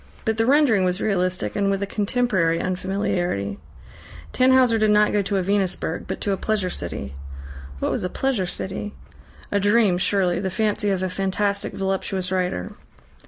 But the rendering was realistic, and with a contemporary unfamiliarity. Tannhauser did not go to a Venusberg, but to a Pleasure City. What was a Pleasure City? A dream, surely, the fancy of a fantastic, voluptuous writer.